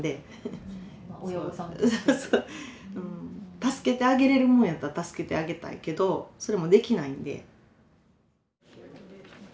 助けてあげれるもんやったら助けてあげたいけどそれもできないんで。